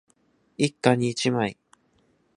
一家に一枚